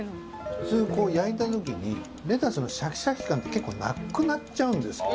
普通こう焼いた時にレタスのシャキシャキ感って結構なくなっちゃうんです。